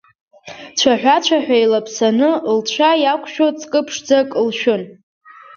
Цәаҳәа-цәаҳәа еилаԥсаны лцәа иақәшәо ҵкы ԥшӡак лшәын.